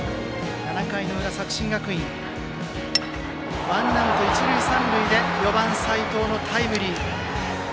７回の裏、作新学院ワンアウト、一塁三塁で４番、齋藤のタイムリー。